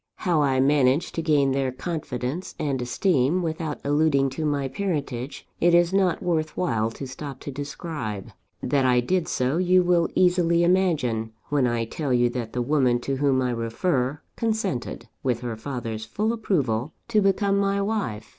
How I managed to gain their confidence and esteem, without alluding to my parentage, it is not worth while to stop to describe. That I did so you will easily imagine, when I tell you that the woman to whom I refer, consented, with her father's full approval, to become my wife.